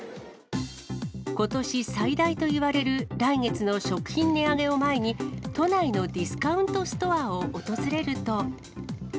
ことし最大といわれる来月の食品値上げを前に、都内のディスカウントストアを訪れると。